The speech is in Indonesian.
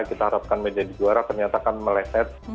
kita harapkan menjadi juara ternyata kan meleset